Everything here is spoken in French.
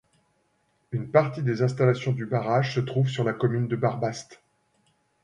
Une partie des installations du barrage se trouve sur la commune de Barbaste.